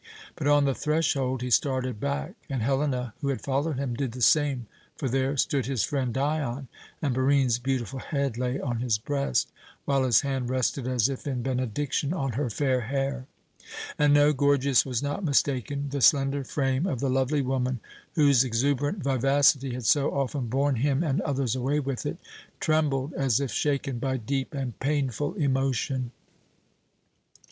But on the threshold he started back, and Helena, who had followed him, did the same, for there stood his friend Dion, and Barine's beautiful head lay on his breast, while his hand rested as if in benediction on her fair hair. And no, Gorgias was not mistaken the slender frame of the lovely woman, whose exuberant vivacity had so often borne him and others away with it, trembled as if shaken by deep and painful emotion.